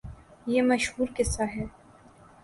یہ مشہورقصہ ہے۔